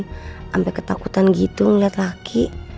sampai ketakutan gitu ngeliat laki